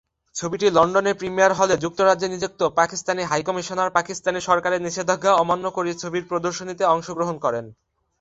ছবিটি লন্ডনে প্রিমিয়ার হলে যুক্তরাজ্যে নিযুক্ত পাকিস্তানি হাই কমিশনার পাকিস্তান সরকারের নিষেধাজ্ঞা অমান্য করে ছবির প্রদর্শনীতে অংশগ্রহণ করেন।